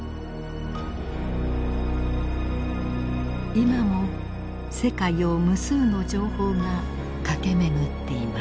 今も世界を無数の情報が駆け巡っています。